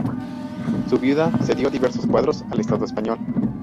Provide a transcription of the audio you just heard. Su viuda cedió diversos cuadros al Estado Español.